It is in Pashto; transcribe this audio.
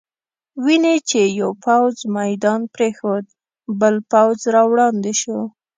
وینې چې یو پوځ میدان پرېښود، بل پوځ را وړاندې شو.